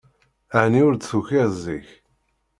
Ɛni ur d-tukiḍ zik?